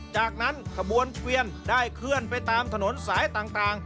จากนั้นขบวนเกวียนได้เคลื่อนไปตามถนนสายต่าง